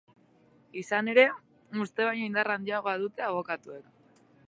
Izan ere, uste baino indar handiagoa dute abokatuek.